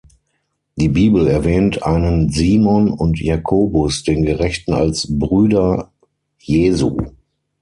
Die Bibel erwähnt einen Simon und Jakobus den Gerechten als Brüder Jesu.